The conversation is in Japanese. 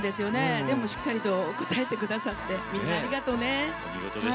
でも、しっかりと答えてくださってみんなありがとうね！